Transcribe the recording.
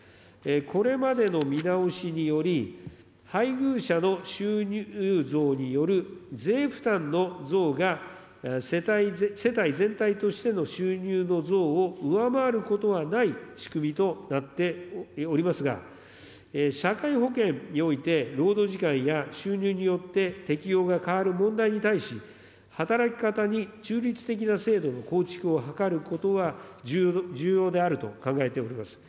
これまでの見直しにより、配偶者の収入増による税負担の増が世帯全体としての収入の増を上回ることはない仕組みとなっておりますが、社会保険において労働時間や収入によって適用が変わる問題に対し、働き方にちゅうじつ的な制度の構築を図ることはよろしゅう、重要であると考えております。